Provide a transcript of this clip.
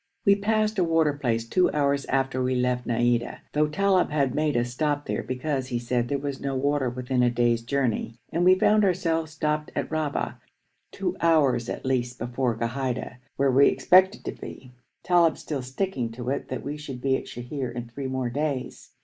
We passed a water place two hours after we left Naïda, though Talib had made us stop there because, he said, there was no water within a day's journey, and we found ourselves stopped at Rahba, two hours at least before Ghaida, where we expected to be, Talib still sticking to it that we should be at Sheher in three more days.